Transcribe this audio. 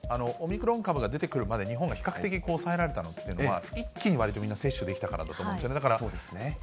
オミクロン株が出てくるまで、日本が比較的抑えられたというのは、一気にわりとみんな、接種できたからだと思うんですよね。